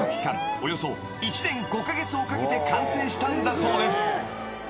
およそ１年５カ月をかけて完成したんだそうです］